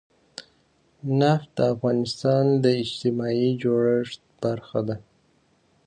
نفت د افغانستان د اجتماعي جوړښت برخه ده.